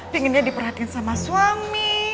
pengennya diperhatiin sama suami